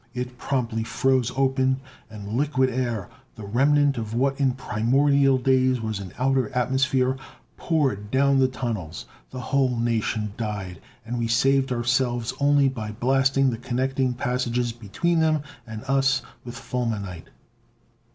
It promptly froze open, and liquid air, the remnant of what in primordial days was an outer atmosphere, poured down the tunnels. The whole nation died, and we saved ourselves only by blasting the connecting passages between them and us with fulminite."